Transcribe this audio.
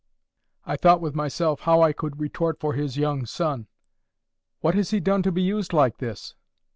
I thought with myself how I could retort for his young son: "What has he done to be used like this?"